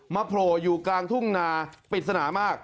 โผล่อยู่กลางทุ่งนาปริศนามาก